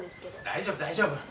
大丈夫大丈夫。